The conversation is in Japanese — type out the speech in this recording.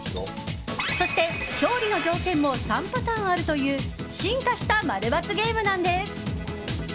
そして、勝利の条件も３パターンあるという進化した○×ゲームなんです。